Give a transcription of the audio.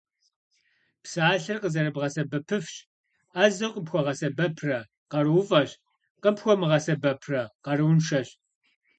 Псалъэр къызэрыбгъэсэбэпыфщ: Ӏэзэу къыпхуэгъэсэбэпрэ - къарууфӀэщ, къыпхуэмыгъэсэбэпрэ - къарууншэщ.